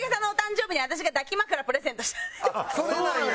あっそうなんや！